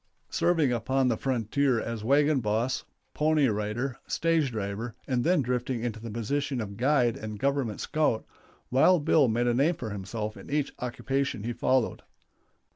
Serving upon the frontier as wagon boss, pony rider, stage driver, and then drifting into the position of guide and Government scout, Wild Bill made a name for himself in each occupation he followed.